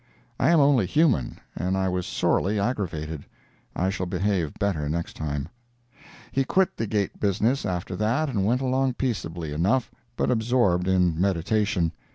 (I am only human and I was sorely aggravated. I shall behave better next time.) He quit the gate business after that and went along peaceably enough, but absorbed in meditation.